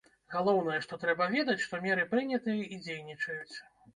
Галоўнае, што трэба ведаць, што меры прынятыя і дзейнічаюць.